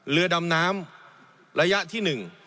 เรือดำน้ำระยะที่๑